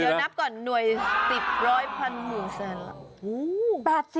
เดี๋ยวนับก่อนหน่วย๑๐ร้อยพันหนึ่งแสน